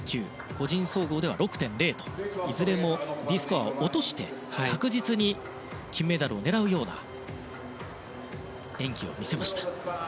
個人総合では６．０といずれもＤスコアを落として確実に金メダルを狙うような演技を見せました。